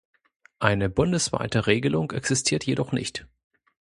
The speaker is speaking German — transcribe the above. Eine bundesweite Regelung existiert jedoch nicht.